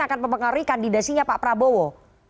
akan mempengaruhi kandidasinya pak prabowo